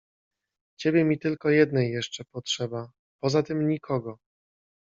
Ciebie mi tylko jednej jeszcze potrzeba, poza tym nikogo!